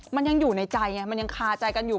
มันยังอยู่ในใจไงมันยังคาใจกันอยู่